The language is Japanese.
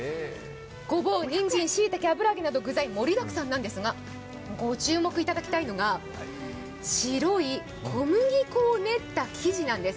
ごぼう、にんじん、しいたけ、油揚げなど具材盛りだくさんなんですが、ご注目いただきたいのが白い小麦粉を練った生地なんです。